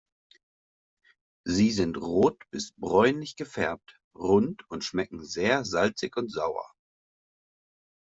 Sie sind rot bis bräunlich gefärbt, rund und schmecken sehr salzig und sauer.